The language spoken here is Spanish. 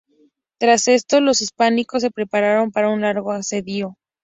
Tras esto los hispanos se prepararon para un largo asedio.